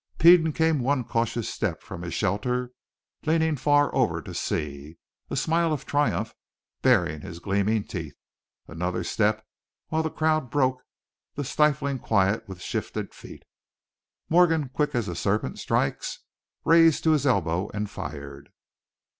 Peden came one cautious step from his shelter, leaning far over to see, a smile of triumph baring his gleaming teeth; another step, while the crowd broke the stifling quiet with shifted feet. Morgan, quick as a serpent strikes, raised to his elbow and fired.